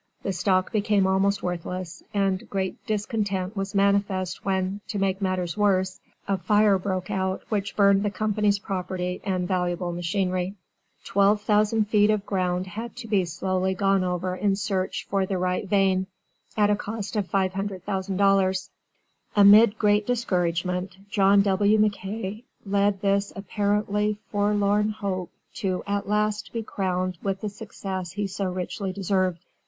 The stock became almost worthless, and great discontent was manifest when, to make matters worse, a fire broke out which burned the company's property and valuable machinery. Twelve hundred feet of ground had to be slowly gone over in search for the right vein, at a cost of $500,000. Amid great discouragement John W. MacKay led this apparently forlorn hope to at last be crowned with the success he so richly deserved.